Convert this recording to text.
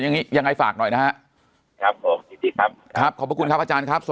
อย่างงี้ยังไงฝากหน่อยนะฮะ